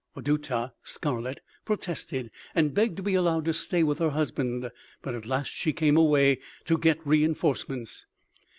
"Wadutah (Scarlet) protested and begged to be allowed to stay with her husband, but at last she came away to get re inforcements.